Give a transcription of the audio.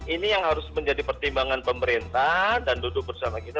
ini yang harus menjadi pertimbangan pemerintah dan duduk bersama kita